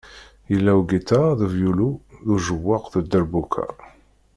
Yella ugiṭar d uvyulu, d ujawaq d dderbuka.